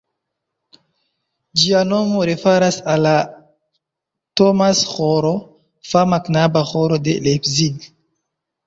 Ĝia nomo referas al la Thomas-ĥoro, fama knaba ĥoro de Leipzig.